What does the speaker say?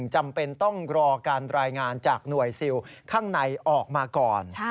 จำเป็นต้องรอการรายงานจากหน่วยซิลข้างในออกมาก่อน